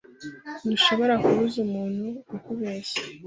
Ntushobora kubuza umuntu kukubeshya.